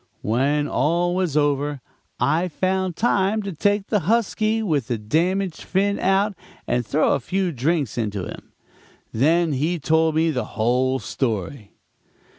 "When all was over, I found time to take the husky, with the damaged fin out and throw a few drinks into him. Then he told me the whole story.